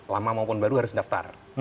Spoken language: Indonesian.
lama maupun baru harus daftar